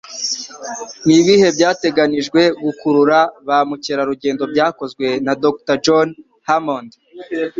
Nibihe Byateganijwe Gukurura Ba mukerarugendo Byakozwe na Dr John Hammond